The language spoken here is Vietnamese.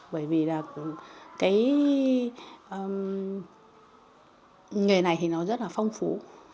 bởi vì là cái nghề này thì nó rất là phong phú